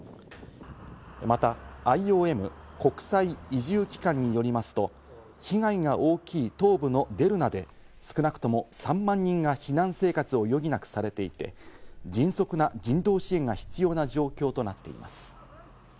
またＩＯＭ＝国際移住機関によりますと、被害が大きい東部のデルナで少なくとも３万人が避難生活を余儀なくされていて、迅速な人道支援が必要な状況となっています。